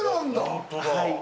本当だ。